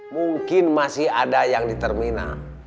mungkin masih ada yang di terminal